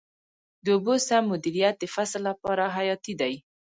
د اوبو سم مدیریت د فصل لپاره حیاتي دی.